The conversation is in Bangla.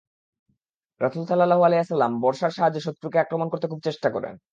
রাসূল সাল্লাল্লাহু আলাইহি ওয়াসাল্লাম বর্শার সাহায্যে শত্রুকে আক্রমণ করতে খুব চেষ্টা করেন।